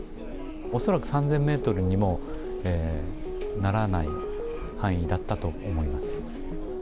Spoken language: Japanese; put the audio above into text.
恐らく３０００メートルにもならない範囲だったと思います。